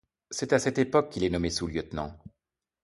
C'est à cette époque qu'il est nommé sous-lieutenant.